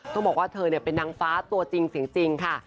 ต้องบอกว่าเธอเป็นนางฟ้าตัวจริงเสียงจริงค่ะ